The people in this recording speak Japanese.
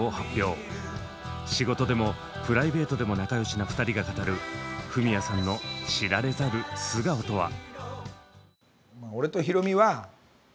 仕事でもプライベートでも仲良しな２人が語るフミヤさんの知られざる素顔とは？